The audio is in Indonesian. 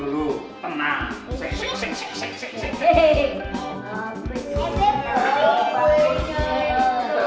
kenapa kan berdiri